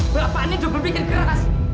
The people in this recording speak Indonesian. bapak ini juga berpikir keras